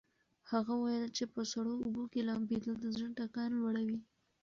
هغه وویل چې په سړو اوبو کې لامبېدل د زړه ټکان لوړوي.